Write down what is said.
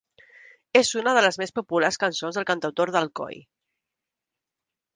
És una de les més populars cançons del cantautor d'Alcoi.